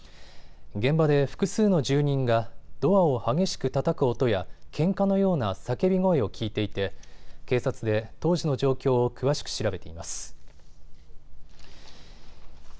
現場で複数の住人がドアを激しくたたく音や、けんかのような叫び声を聞いていて警察で当時の状況を詳しく調べています。